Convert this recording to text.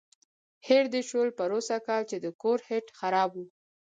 هېر دې شول پروسږ کال چې د کور هیټ خراب و.